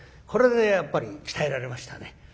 これでやっぱり鍛えられましたね。